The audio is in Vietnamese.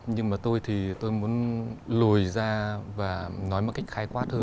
nhưng mà tôi thì tôi muốn lùi ra và nói một cách khai quát hơn